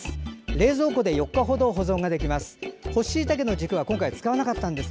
冷蔵庫で４日ほど保存できます。